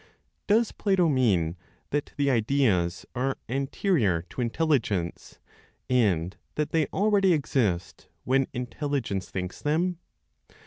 Does Plato mean that the ideas are anterior to intelligence, and that they already exist when intelligence thinks them?